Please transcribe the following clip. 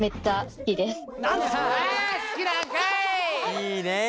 いいね。